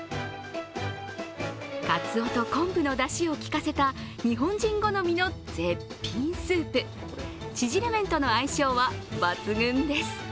かつおと昆布のだしをきかせた日本人好みの絶品スープ、縮れ麺との相性は抜群です。